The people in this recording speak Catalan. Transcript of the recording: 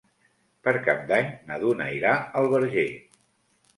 Per Cap d'Any na Duna irà al Verger.